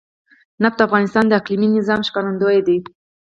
نفت د افغانستان د اقلیمي نظام ښکارندوی ده.